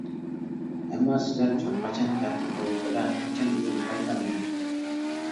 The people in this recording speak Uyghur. ئەمما سىلەرچۇ قاچان تەتىل قۇيۇپ بېرە، قاچان ئۆيگە قايتارمەن.